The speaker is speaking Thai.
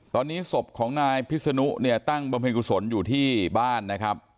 ตอนนี้ศพของนายพิษนุเนี่ยตั้งบำเพ็ญกุศลอยู่ที่บ้านนะครับ